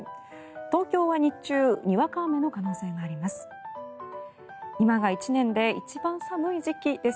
東京は日中にわか雨の可能性があります。